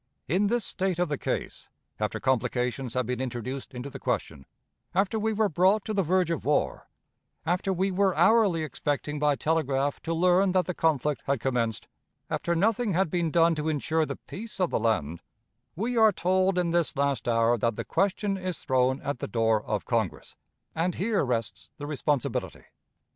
In this state of the case, after complications have been introduced into the question, after we were brought to the verge of war, after we were hourly expecting by telegraph to learn that the conflict had commenced, after nothing had been done to insure the peace of the land, we are told in this last hour that the question is thrown at the door of Congress, and here rests the responsibility.